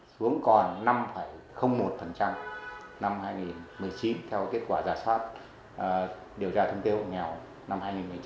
xuống còn năm một năm hai nghìn một mươi chín theo kết quả giả soát điều tra thông kê hộ nghèo năm hai nghìn một mươi chín